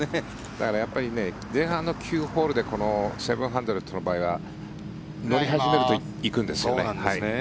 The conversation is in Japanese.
だからやっぱり前半の９ホールでこのセブンハンドレッドの場合は乗り始めると、行くんですよね。